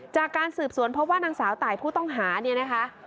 จากการสืบสวนเพราะว่านางสาวตายผู้ต้องหาเนี่ยนะคะ